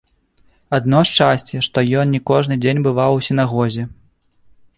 Адно шчасце, што ён не кожны дзень бываў у сінагозе.